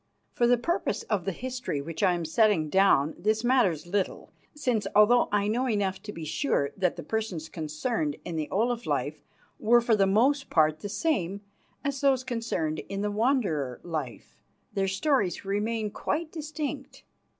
For the purpose of the history which I am setting down this matters little, since, although I know enough to be sure that the persons concerned in the Olaf life were for the most part the same as those concerned in the Wanderer life, their stories remain quite distinct.